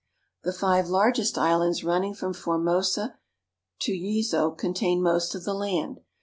The five largest islands running from Formosa to Yezo contain most of the land.